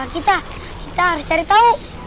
kita harus cari tau